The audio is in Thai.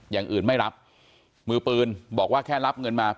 อย่างอื่นไม่รับมือปืนบอกว่าแค่รับเงินมา